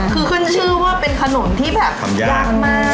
คลื่นชื่อเป็นขนมที่จะทำได้อย่างมาก